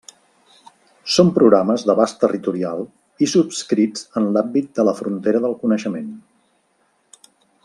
Són programes d'abast territorial i subscrits en l'àmbit de la frontera del coneixement.